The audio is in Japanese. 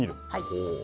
ほう。